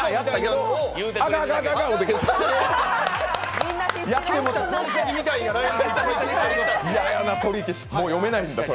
もう読めないんだ。